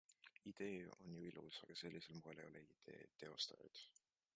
Idee on ju ilus, aga sellisel moel ei ole idee teostajaid.